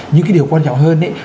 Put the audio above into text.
nhưng cái điều quan trọng hơn ấy